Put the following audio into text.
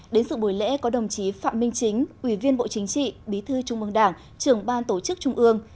đến sự buổi lễ có đồng chí phạm minh chính ủy viên bộ chính trị bí thư trung mương đảng trưởng ban tổ chức trung ương